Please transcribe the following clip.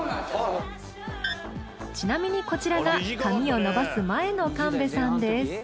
ちなみにこちらが髪を伸ばす前の神戸さんです。